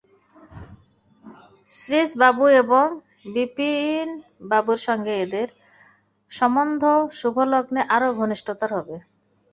শ্রীশবাবু এবং বিপিনবাবুর সঙ্গে এঁদের সম্বন্ধ শুভলগ্নে আরো ঘনিষ্ঠতর হবে।